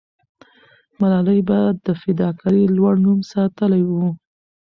ملالۍ به د فداکارۍ لوړ نوم ساتلې وو.